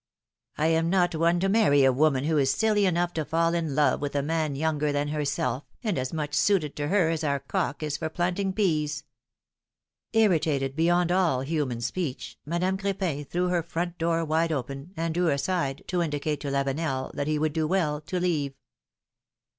I am not one to marry a woman who is silly enough to fall in love with a man younger than herself, and as much suited to her as our cock is for planting peas! '' Irritated beyond all human speech, Madame Cr6pin threw her front door wide open, and drew aside, to indicate to Lavenel that he would do well to leave.